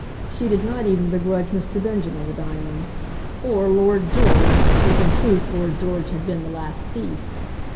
She did not even begrudge Mr. Benjamin the diamonds, or Lord George, if in truth Lord George had been the last thief.